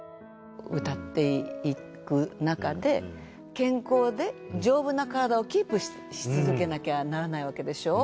歌っていくなかで健康で丈夫なカラダをキープし続けなきゃならないわけでしょう。